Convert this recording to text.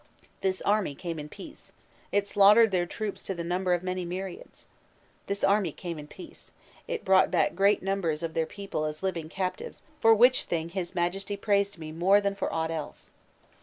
This army came in peace, it slaughtered their troops to the numbers of many myriads. This army came in peace, it brought back great numbers of their people as living captives, for which thing his Majesty praised me more than for aught else."